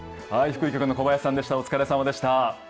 福井から小林さんでした、お疲れさまでした。